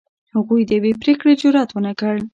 هغوی د یوې پرېکړې جرئت ونه کړ.